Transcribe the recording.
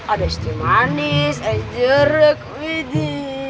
ada istimewa manis ais jeruk widi